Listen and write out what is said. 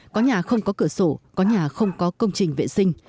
có nhà không có cửa sổ có nhà không có công trình vệ sinh